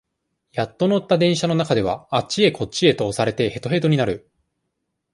やっと乗った電車の中では、あっちこっちへと押されて、へとへとになる。